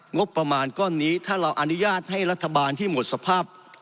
งบประมาณก้อนนี้ถ้าเราอนุญาตให้รัฐบาลที่หมดสภาพ